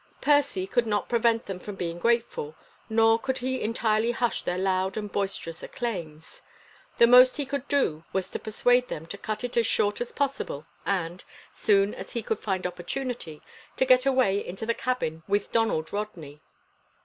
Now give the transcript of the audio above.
Percy could not prevent them from being grateful, nor could he entirely hush their loud and boisterous acclaims; the most he could do was to persuade them to cut it as short as possible and, soon as he could find opportunity, to get away into the cabin with Donald Rodney.